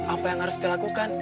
apa yang harus dilakukan